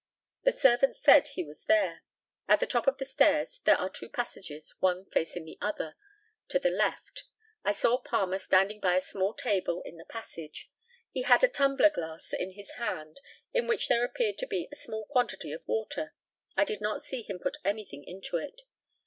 The servant said he was there. At the top of the stairs there are two passages, one facing the other, to the left. I saw Palmer standing by a small table in the passage. He had a tumbler glass in his hand, in which there appeared to be a small quantity of water. I did not see him put anything into it.